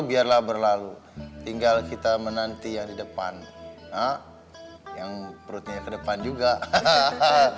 biarlah berlalu tinggal kita menanti yang di depan yang perutnya ke depan juga hahaha